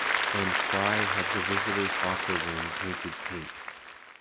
And Fry had the visitors' locker room painted pink.